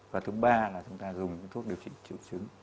và thứ ba là chúng ta dùng những thuốc điều trị triệu chứng